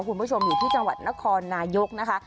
คุณผู้ชมอยู่ที่จังหวัดนครนายกนะคะ